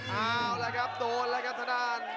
เอาแล้วครับโดนแล้วกับทะดาน